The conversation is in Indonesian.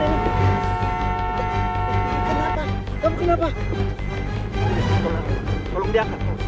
ini harus segera dibawa ke rumah sakit